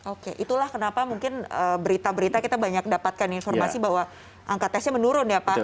oke itulah kenapa mungkin berita berita kita banyak dapatkan informasi bahwa angka testnya menurun ya pak